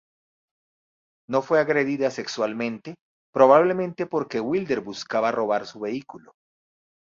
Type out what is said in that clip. No fue agredida sexualmente, probablemente porque Wilder buscaba robar su vehículo.